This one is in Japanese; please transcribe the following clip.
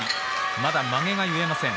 まだ、まげが結えません